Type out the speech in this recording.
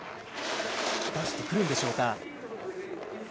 出してくるんでしょうか。